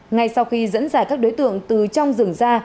ngay sau khi dẫn dải các đối tượng từ trong rừng ra